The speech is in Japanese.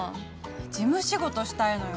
事務仕事したいのよ